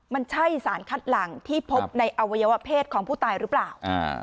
มันใช่สารคัดหลังที่พบในอวัยวะเพศของผู้ตายหรือเปล่า